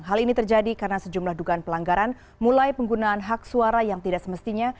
hal ini terjadi karena sejumlah dugaan pelanggaran mulai penggunaan hak suara yang tidak semestinya